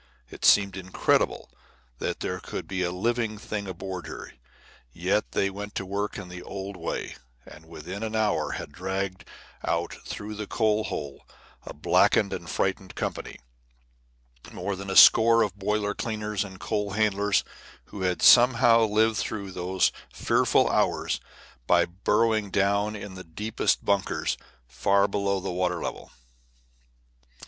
It seemed incredible that there could be a living thing aboard her, yet they went to work in the old way, and within an hour had dragged out through the coal hole a blackened and frightened company, more than a score of boiler cleaners and coal handlers who had somehow lived through those fearful hours by burrowing down in the deepest bunkers far below the water level.